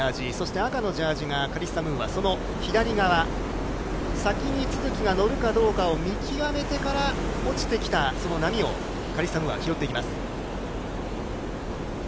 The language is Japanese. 赤のジャージーがカリッサ・ムーア、その左側先に都筑が乗るかどうかを見極めてから落ちてきた波をカリッサ・ムーアは拾っていきます。